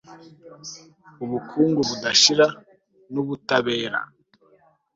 ubukungu budashira n'ubutabera